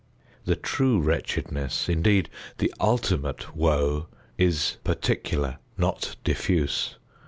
The true wretchedness, indeed—the ultimate woe——is particular, not diffuse.